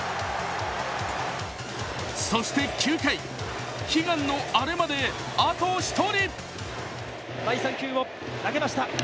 そして９回、悲願のアレまであと１人。